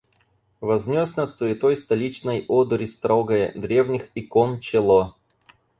Вознес над суетой столичной одури строгое — древних икон — чело.